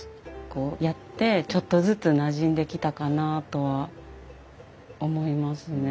こうやってちょっとずつなじんできたかなあとは思いますね。